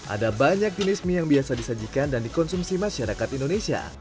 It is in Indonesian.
ada banyak jenis mie yang biasa disajikan dan dikonsumsi masyarakat indonesia